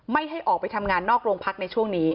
ไม่ให้ออกไปทำงานนอกโรงพักในช่วงนี้